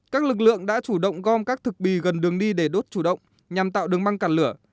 các lực lượng đã chủ động gom các thực bì gần đường đi để đốt chủ động nhằm tạo đứng băng cản lửa